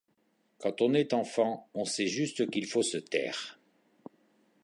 Quand on est enfant, on sait juste qu'il faut se taire.